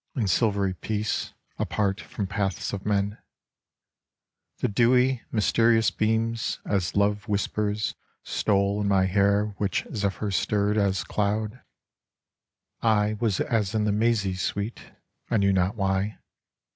In silvery peace, apart from paths of men : The dewy mysterious beams, as love whispers, Stole in my hair which zephyr stirred As cloud ; I w^as as in the mazy sweet, I knew not why.